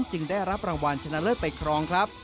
จึงได้รับรางวัลชนะเลิศไปครองครับ